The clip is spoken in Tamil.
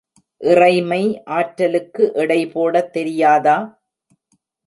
இறைமை ஆற்றலுக்கு எடை போடத் தெரியாதா?